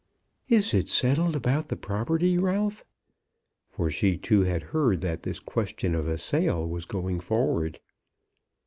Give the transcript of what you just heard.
"Is it settled about the property, Ralph?" For she, too, had heard that this question of a sale was going forward.